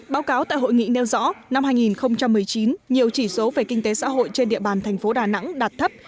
báo cáo tại hội nghị nêu rõ năm hai nghìn một mươi chín nhiều chỉ số về kinh tế xã hội trên địa bàn thành phố đà nẵng đạt thấp